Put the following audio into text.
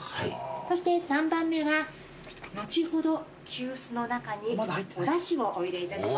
そして３番目は後ほど急須の中におだしをお入れいたしますので。